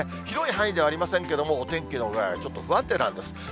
広い範囲ではありませんけども、お天気の具合はちょっと不安定なんです。